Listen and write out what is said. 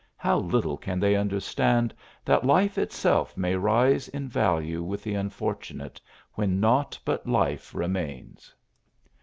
How little can they understand that life itself may rise in value with the unfortunate, when naught but life remains.